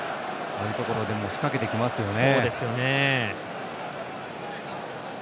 ああいうところでも仕掛けてきますよね。